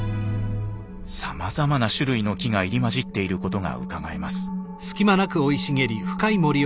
さまざまな種類の木が入り交じっていることがうかがえます。